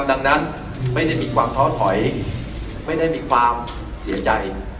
ดังนั้นไม่ได้มีความท้อถอยไม่ได้มีความเสียใจ